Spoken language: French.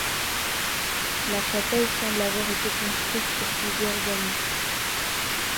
La chapelle semble avoir été construite sur plusieurs années.